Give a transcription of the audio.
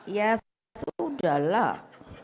ya sudah lah